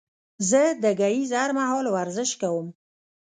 زه د ګهيځ هر مهال ورزش کوم